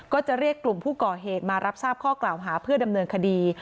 ก็จะเรียกกลุ่มผู้ก่อเหตุมารับทราบข้อกล่าวหาเพื่อดำเนินคดี